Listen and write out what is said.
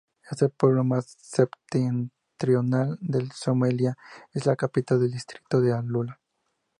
Es el pueblo más septentrional de Somalia Es la capital del distrito de ʿAlūla.